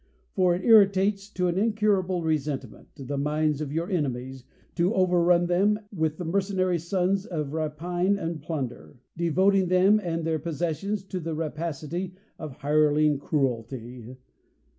For it irritates, to an incm able resentment, the minds of your enemies, to overrun them with the mercenary sons of rapine and plunder; devoting them and their posses ^ sions to the rapacity of hireling cruelty